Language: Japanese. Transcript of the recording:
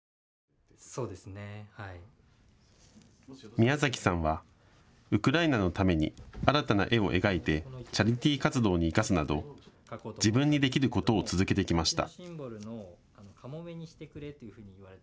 ミヤザキさんはウクライナのために新たな絵を描いてチャリティー活動に生かすなど自分にできることを続けてきました。